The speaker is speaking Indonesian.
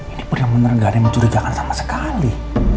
ini bener bener gak ada yang mencurigakan sama sekali